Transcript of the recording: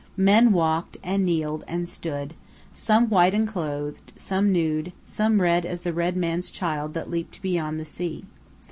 Men walked, and kneeled, and stood, some white and clothed, some nude, some red as the red man's child that leaped beyond the sea.